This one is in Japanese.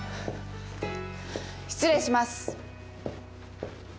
失礼します。